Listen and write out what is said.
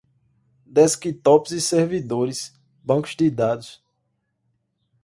desktops e servidores, bancos de dados